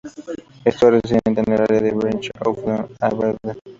Stuart reside en el área de Bridge of Don de Aberdeen.